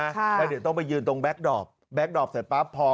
ถ้าเดี๋ยวต้องไปยืนตรงแบล็กดอร์ฟ